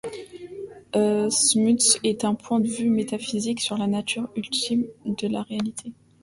Smuts est un point de vue métaphysique sur la nature ultime de la réalité.